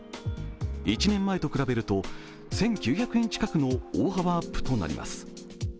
１年前と比べると１９００円近くの大幅アップとなります。